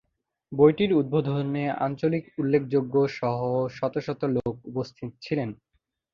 বইটির উদ্বোধনে আঞ্চলিক উল্লেখযোগ্য সহ শত শত লোক উপস্থিত ছিলেন।